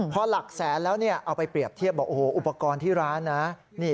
พอหลักแสนแล้วเอาไปเปรียบเทียบบอกโอ้โหอุปกรณ์ที่ร้านนะ